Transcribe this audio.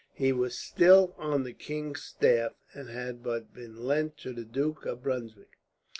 He was still on the king's staff, and had but been lent to the Duke of Brunswick.